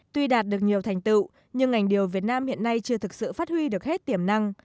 tuy đạt được nhiều thành tựu nhưng ngành điều việt nam hiện nay chưa thực sự phát huy được hết tiềm năng